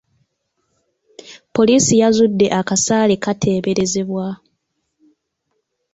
Poliisi yazudde akasaale k'ateberezebbwa.